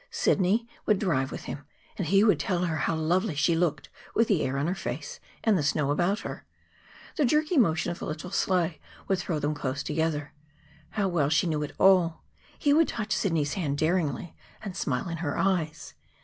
Sidney would drive with him, and he would tell her how lovely she looked with the air on her face and the snow about her. The jerky motion of the little sleigh would throw them close together. How well she knew it all! He would touch Sidney's hand daringly and smile in her eyes.